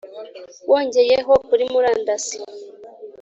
wongeyeho kuri murandasi.